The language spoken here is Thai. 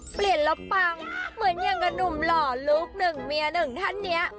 เปลี่ยนแล้วปังเหมือนอย่างกับหนุ่มหล่อลูกหนึ่งเมียหนึ่งท่านเนี่ย